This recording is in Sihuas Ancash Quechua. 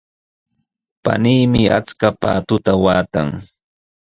Paniimi achka paatuta waatan.